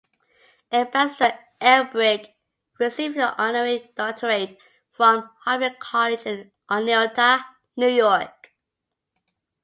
Ambassador Elbrick received an honorary doctorate from Hartwick College in Oneonta, New York.